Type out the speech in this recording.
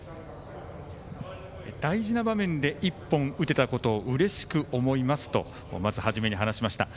大事な場面で１本打てたことをうれしく思いますとまず初めに話しました。